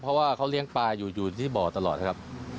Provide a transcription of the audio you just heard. เพราะว่าเขาเลี้ยงปลาอยู่ที่บ่อตลอดครับ